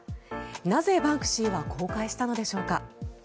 なぜバンクシーは公開したのでしょうか。